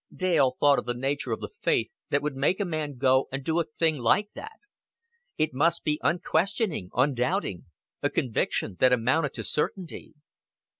Dale thought of the nature of the faith that would make a man go and do a thing like that. It must be unquestioning, undoubting; a conviction that amounted to certainty.